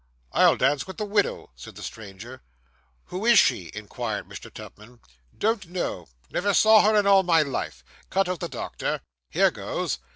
'I'll dance with the widow,' said the stranger. 'Who is she?' inquired Mr. Tupman. 'Don't know never saw her in all my life cut out the doctor here goes.